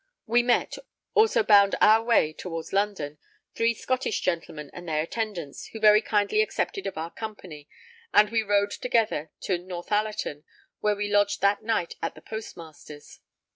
We met, also bound our way towards London, three Scottish gentlemen and their attendants, who very kindly accepted of our company, and we rode together to Northallerton where we lodged that night at the postmaster's.